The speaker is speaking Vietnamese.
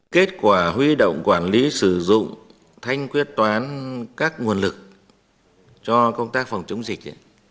kết quả huy động quản lý sử dụng thanh quyết toán các nguồn lực cho công tác phòng chống dịch